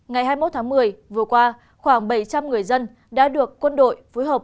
ngày hai mươi một tháng một mươi vừa qua khoảng bảy trăm linh người dân đã được quân đội phối hợp